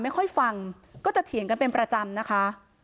ไม่ค่อยฟังก็จะเถียงกันเป็นประจำนะคะ